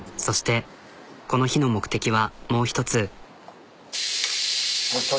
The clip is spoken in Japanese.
そしてこの日の目的はもう一つ。